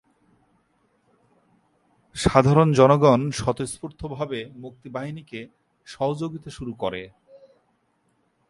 সাধারণ জনগণ স্বতঃস্ফূর্ত ভাবে মুক্তি বাহিনীকে সহযোগীতা শুরু করে।